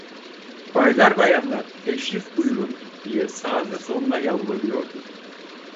Baylar, bayanlar, teşrif buyurun! diye sağına soluna yalvarıyordu.